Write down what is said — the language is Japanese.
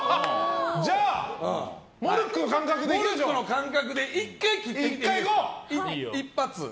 じゃあ、モルックの感覚で１回切ってみていいですか。